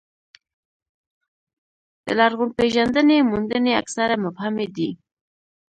د لرغونپېژندنې موندنې اکثره مبهمې دي.